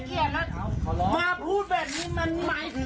ก็ตั้งสติก็คือรถผมเสีย